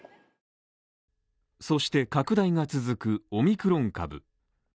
そして拡大が続くオミクロン株。